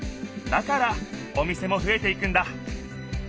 だからお店もふえていくんだ。